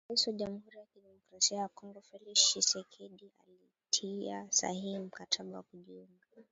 Rais wa Jamuhuri ya kidemokrasia ya Kongo ,Felix Tchisekedi alitia sahihi mkataba wa kujiunga